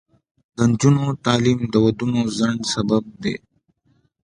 د نجونو تعلیم د ودونو ځنډ سبب دی.